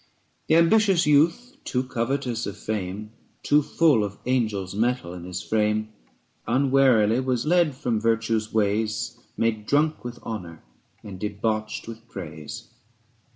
/ The ambitious youth, too covelojis..r>Jajne, "H^ Too full of angel's metal in his frame, 310 Unwarily was led from virtue's ways, Made drunk with honour and debauched with praise.